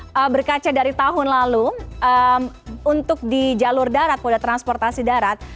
kalau berkaca dari tahun lalu untuk di jalur darat moda transportasi darat